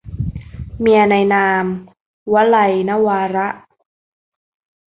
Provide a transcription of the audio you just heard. เมียในนาม - วลัย นวาระ